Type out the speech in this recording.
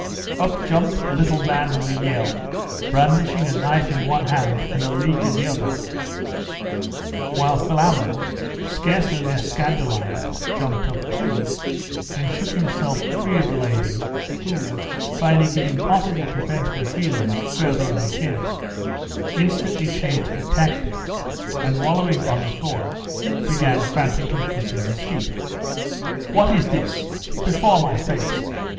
Up jumped the little man with a yell, brandishing a knife in one hand and a leek in the other; while Philammon, scarcely less scandalised, jumped up too, and shook himself free of the lady, who, finding it impossible to vent her feelings further on his head, instantly changed her tactics, and, wallowing on the floor, began frantically kissing his feet. 'What is this? before my face!